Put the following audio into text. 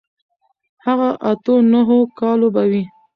هغه اتو نهو کالو به و.